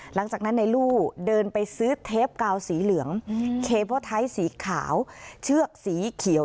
หลังจากนั้นในลู่เดินไปซื้อเทปกาวสีเหลืองเคเบิ้ลไทยสีขาวเชือกสีเขียว